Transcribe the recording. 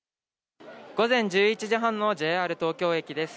午前１１時半のＪＲ東京駅です。